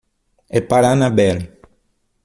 É para a Annabelle.